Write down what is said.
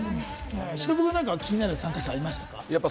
忍君は気になる参加者はいました？